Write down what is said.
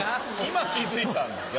今気付いたんですか？